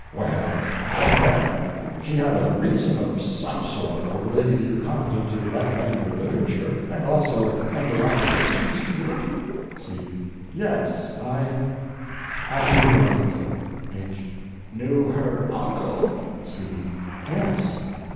Well, what then? She had a reason of _some _sort for believing you competent to recommend her literature, and also under obligations to do it? C. Yes, I I knew her uncle. H. Knew her uncle? C. Yes.